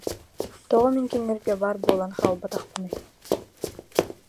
тоҕо мин кинилэргэ баар буолан хаалбатахпыный